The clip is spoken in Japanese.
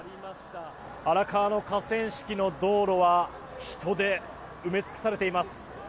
荒川の河川敷の道路は人で埋め尽くされています。